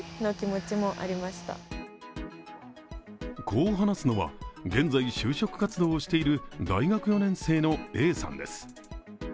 こう話すのは、現在、就職活動をしている大学４年生のＡさんです。